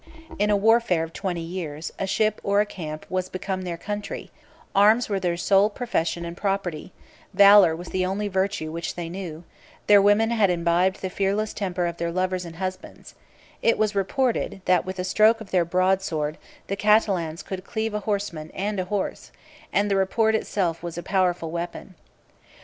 In a warfare of twenty years, a ship, or a camp, was become their country; arms were their sole profession and property; valor was the only virtue which they knew; their women had imbibed the fearless temper of their lovers and husbands: it was reported, that, with a stroke of their broadsword, the Catalans could cleave a horseman and a horse; and the report itself was a powerful weapon.